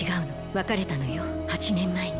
別れたのよ８年前に。